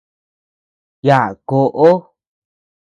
Yaʼa koʼo.